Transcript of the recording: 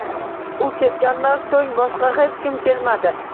U ketganidan so`ng boshqa hech kim kelmadi